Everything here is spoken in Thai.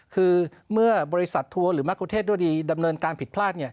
คือเมื่อบริษัททัวร์หรือมะกุเทศด้วยดีดำเนินการผิดพลาด